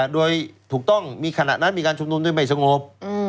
โดยถูกต้องมีขณะนั้นมีการชุมนุมด้วยไม่สงบ